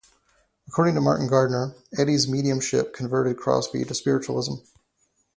According to Martin Gardner, Eddy's mediumship converted Crosby to Spiritualism.